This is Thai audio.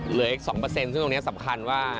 เหลืออีก๒ซึ่งตรงนี้สำคัญว่า